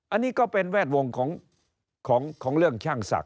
อันนี้ก็เป็นแวดวงของของของเรื่องช่างสัก